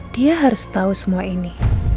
dia harus tahu semua ini